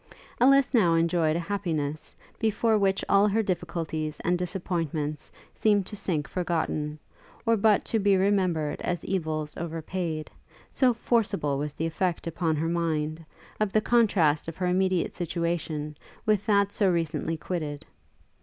Ellis now enjoyed a happiness, before which all her difficulties and disappointments seemed to sink forgotten, or but to be remembered as evils overpayed; so forcible was the effect upon her mind, of the contrast of her immediate situation with that so recently quitted.